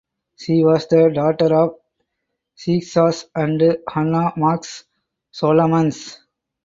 She was the daughter of Seixas and Hannah Marks Solomons.